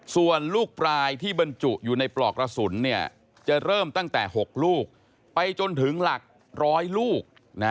ส่วนลูกปลายที่บรรจุอยู่ในปลอกกระสุนจะเริ่มตั้งแต่๖ลูกไปจนถึงหลักร้อยลูก